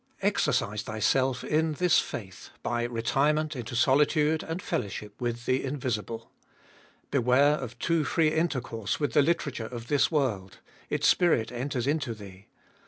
3. Exercise thyself in this faith by retirement into solitude and fellowship with the invisible. Beware of too free intercourse with the literature of this world : its spirit enters into thee.